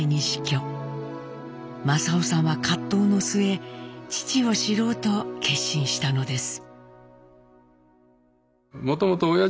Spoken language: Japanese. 正雄さんは葛藤の末父を知ろうと決心したのです。